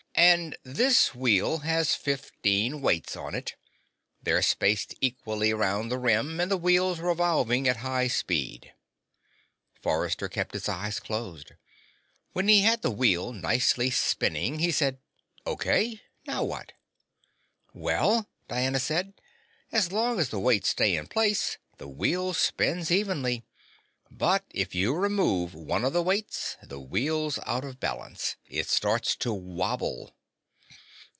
"And this wheel has fifteen weights on it. They're spaced equally around the rim, and the wheel's revolving at high speed." Forrester kept his eyes closed. When he had the wheel nicely spinning, he said: "Okay. Now what?" "Well," Diana said, "as long as the weights stay in place, the wheel spins evenly. But if you remove one of the weights, the wheel's out of balance. It starts to wobble."